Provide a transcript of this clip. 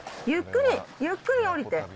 ゆっくり、ゆっくり下りて。